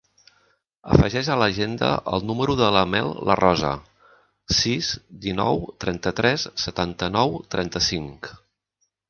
Afegeix a l'agenda el número de la Mel Larrosa: sis, dinou, trenta-tres, setanta-nou, trenta-cinc.